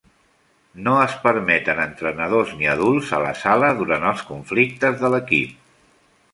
No es permeten entrenadors ni adults a la sala durant el conflictes de l'equip.